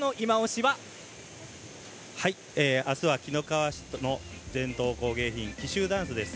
明日は紀の川市の伝統工芸品、紀州たんすです。